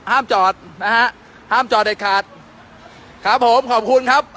ห้ามจอดนะฮะห้ามจอดเด็ดขาดครับผมขอบคุณครับ